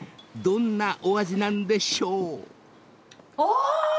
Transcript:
［どんなお味なんでしょう？］あぁー！